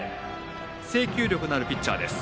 制球力のあるピッチャーです。